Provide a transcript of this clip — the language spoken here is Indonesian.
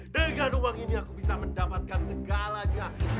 dengan uang ini aku bisa mendapatkan segalanya